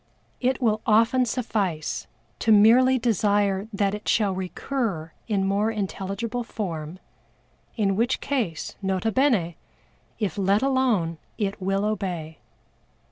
It will often suffice to merely desire that it shall recur in more intelligible form in which case, nota bene if let alone it will obey.